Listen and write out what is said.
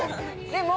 でも。